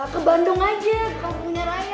ke bandung aja ke kampungnya lagi